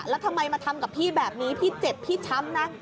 แล้วทำไมมาทำกับพี่แบบนี้พี่เจ็บพี่ช้ำนะ